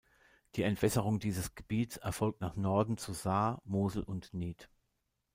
Die Entwässerung dieses Gebiets erfolgt nach Norden zu Saar, Mosel und Nied.